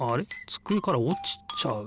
つくえからおちちゃう。